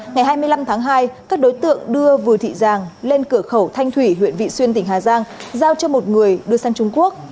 ngày hai mươi năm tháng hai các đối tượng đưa vừa thị giàng lên cửa khẩu thanh thủy huyện vị xuyên tỉnh hà giang giao cho một người đưa sang trung quốc